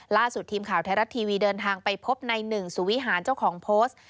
ล่าสุดทีมข่าวไทยรัฐทีวีเดินทางไปพบในหนึ่งสุวิหารเจ้าของโพสต์